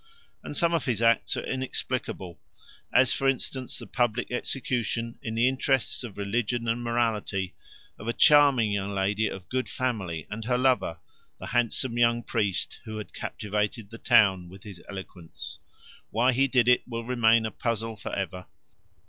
And some of his acts are inexplicable, as for instance the public execution in the interests of religion and morality of a charming young lady of good family and her lover, the handsome young priest who had captivated the town with his eloquence. Why he did it will remain a puzzle for ever.